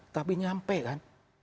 tapi nyampe kan